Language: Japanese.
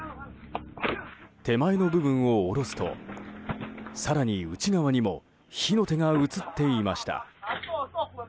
手前の部分を下ろすと更に内側にも火の手が映っていました。